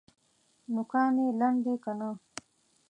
نوکان یې لنډ دي که نه؟